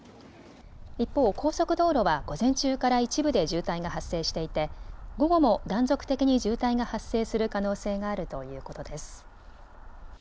一方、高速道路は午前中から一部で渋滞が発生していて午後も断続的に渋滞が発生する可能性があるということです。